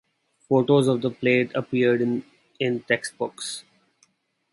Photos of the plate appeared in textbooks.